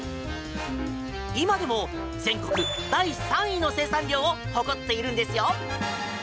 今でも全国第３位の生産量を誇っているんですよ。